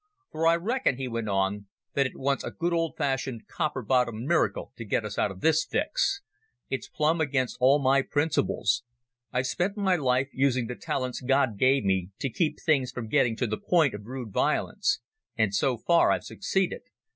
"For I reckon," he went on, "that it wants a good old fashioned copper bottomed miracle to get us out of this fix. It's plumb against all my principles. I've spent my life using the talents God gave me to keep things from getting to the point of rude violence, and so far I've succeeded.